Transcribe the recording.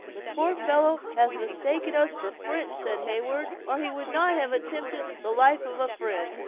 "The poor fellow has mistaken us for French," said Heyward; "or he would not have attempted the life of a friend."